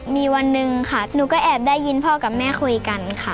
มีวันหนึ่งค่ะหนูก็แอบได้ยินพ่อกับแม่คุยกันค่ะ